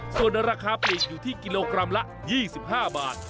ส่วนราคาปลีกอยู่ที่กิโลกรัมละ๒๕บาท